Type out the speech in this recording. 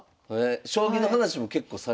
将棋の話も結構されます？